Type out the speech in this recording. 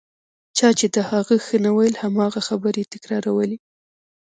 چا چې د هغه ښه نه ویل هماغه خبرې تکرارولې.